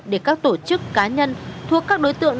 để các tổ chức cá nhân thuộc các đối tượng